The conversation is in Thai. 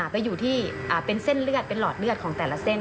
ไปอยู่ที่เป็นเส้นเลือดเป็นหลอดเลือดของแต่ละเส้น